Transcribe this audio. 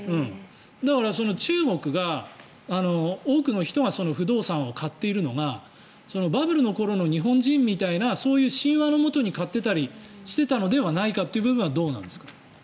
だから、中国が多くの人が不動産を買っているのがバブルの頃の日本人みたいなそういう神話のもとに買っていたりしていたのではないかという部分はどうなんですか？